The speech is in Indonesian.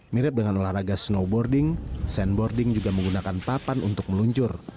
mirip dengan olahraga snowboarding sandboarding juga menggunakan papan untuk meluncur